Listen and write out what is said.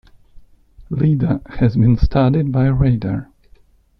Leda has been studied by radar.